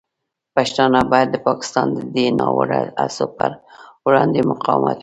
پښتانه باید د پاکستان د دې ناوړه هڅو پر وړاندې مقاومت وکړي.